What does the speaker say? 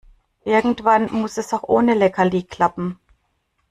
Irgendwann muss es auch ohne Leckerli klappen.